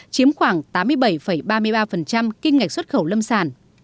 chiếm khoảng tám mươi bảy ba mươi ba kim ngạch xuất khẩu lâm sản